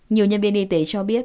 nhiều nhân viên y tế cho biết